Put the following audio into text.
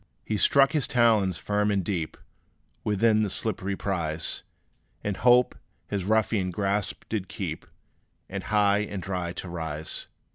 He struck his talons firm and deep, Within the slippery prize, In hope his ruffian grasp to keep; And high and dry to rise.